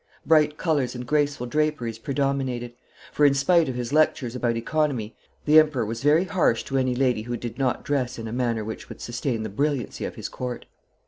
Bright colours and graceful draperies predominated, for in spite of his lectures about economy the Emperor was very harsh to any lady who did not dress in a manner which would sustain the brilliancy of his Court.